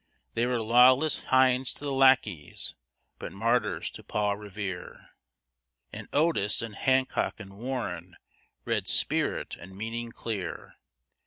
They were lawless hinds to the lackeys but martyrs to Paul Revere; And Otis and Hancock and Warren read spirit and meaning clear.